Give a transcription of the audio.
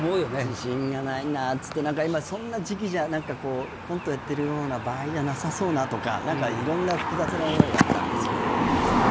自信がないなっつって何か今そんな時期じゃ何かこうコントやってるような場合じゃなさそうなとか何か色んな複雑な思いがあったんですけど